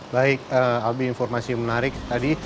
baik albi informasi menarik tadi